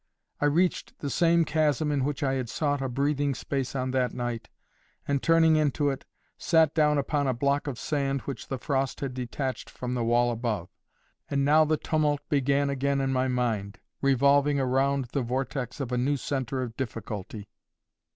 I reached the same chasm in which I had sought a breathing space on that night, and turning into it, sat down upon a block of sand which the frost had detached from the wall above. And now the tumult began again in my mind, revolving around the vortex of a new centre of difficulty.